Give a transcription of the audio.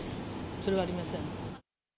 それはありません。